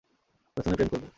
প্রথমে প্রেম করব।